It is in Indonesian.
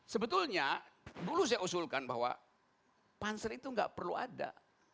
sebetulnya dulu saya usulkan bahwa pansel itu nggak perlu ada